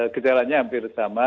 gejalanya hampir sama